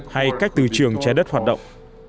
hay cách từ trường trái đất hoạt động